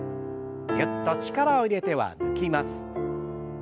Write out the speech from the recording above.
ぎゅっと力を入れては抜きます。